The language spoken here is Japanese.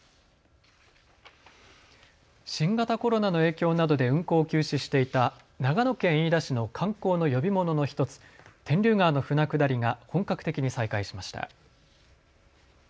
新型コロナの影響などで運航を休止していた長野県飯田市の観光の呼び物の１つ、天竜川の舟下りが本格的に再開しました。